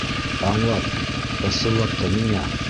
Аңлат, ысынлап та, ниңә?